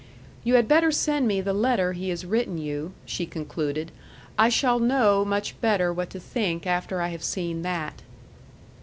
"You had better send me the letter he has written you," she concluded. "I shall know much better what to think after I have seen that."